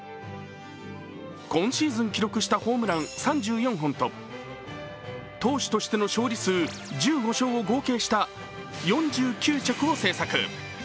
今シーズン記録したホームラン３４本と投手としての勝利数１５勝を合計した４９着を製作。